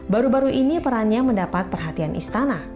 baru baru ini perannya mendapat perhatian istana